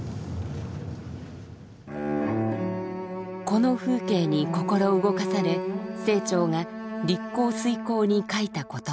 この風景に心動かされ清張が「陸行水行」に書いた言葉。